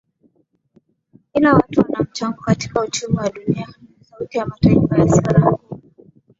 ila watu wanamchango katika uchumi wa dunia na sauti ya mataifa yasio na nguvu